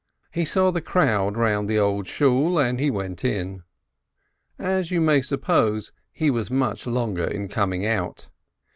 He saw the crowd round the Old Shool, and he went in. As you may suppose, he was much longer in coming out.